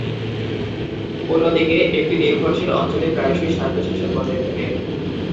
অন্যদিকে, একটি নির্ভরশীল অঞ্চলে প্রায়শই স্বায়ত্তশাসন বজায় থাকে।